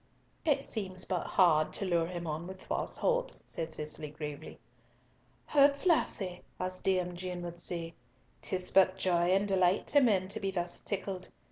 "It seems but hard to lure him on with false hopes," said Cicely, gravely. "Hoots, lassie," as Dame Jean would say, "'tis but joy and delight to men to be thus tickled.